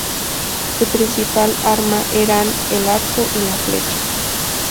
Su principal arma eran el arco y la flecha.